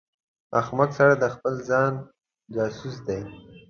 احمق سړی د خپل ځان جاسوس دی.